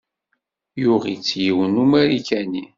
Yuɣ-itt yiwen n Umarikani.